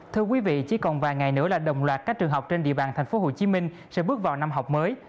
thưa quý vị chỉ còn vài ngày nữa là đồng loạt các trường học trên địa bàn tp hcm sẽ bước vào năm học mới